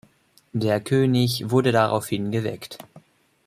Der König wurde daraufhin geweckt.